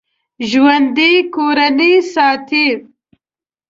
ژوندي کورنۍ ساتي